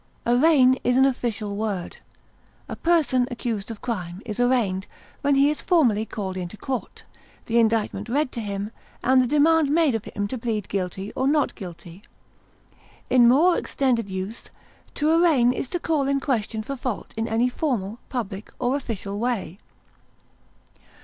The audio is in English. Arraign is an official word; a person accused of crime is arraigned when he is formally called into court, the indictment read to him, and the demand made of him to plead guilty or not guilty; in more extended use, to arraign is to call in question for fault in any formal, public, or official way.